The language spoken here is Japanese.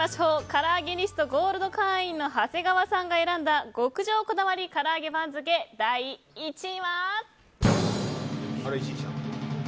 カラアゲニスト、ゴールド会員の長谷川さんが選んだ極上こだわり唐揚げ番付第１位は。